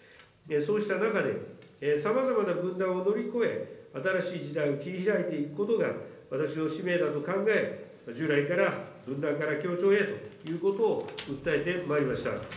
そうした中で、さまざまな分断を乗り越え、新しい時代を切りひらいていくことが私の使命だと考え、従来から、分断から協調へということを訴えてまいりました。